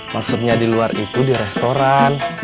maksudnya di luar itu di restoran